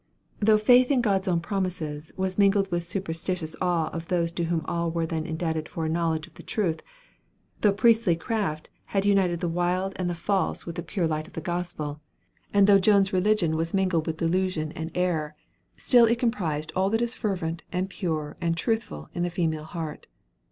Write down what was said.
Though "faith in God's own promises" was mingled with superstitious awe of those to whom all were then indebted for a knowledge of the truth; though priestly craft had united the wild and false with the pure light of the gospel: and though Joan's religion was mingled with delusion and error, still it comprised all that is fervent, and pure, and truthful, in the female heart.